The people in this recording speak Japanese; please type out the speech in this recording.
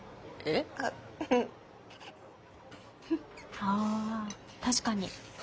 あ確かに。